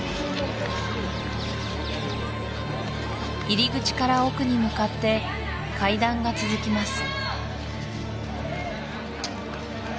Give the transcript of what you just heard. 入り口から奥に向かって階段が続きます